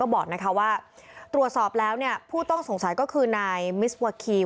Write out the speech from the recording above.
บอกว่าตรวจสอบแล้วผู้ต้องสงสัยก็คือนายมิสวาคีม